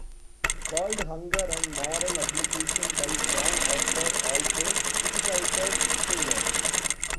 World Hunger and Moral Obligation by John Arthur also criticizes Singer.